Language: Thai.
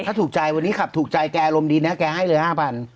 ถ้าถูกใจวันนี้ขับถูกใจแกอารมณ์ดีนะแกให้เลย๕๐๐